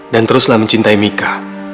dan teruslah mencintai mika